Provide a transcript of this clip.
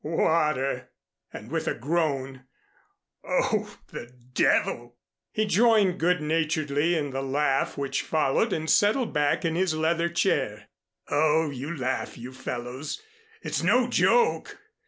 "Water!" and with a groan, "Oh, the Devil!" He joined good naturedly in the laugh which followed and settled back in his leather chair. "Oh, you laugh, you fellows. It's no joke.